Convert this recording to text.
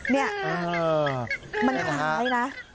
นี่มันขายนะ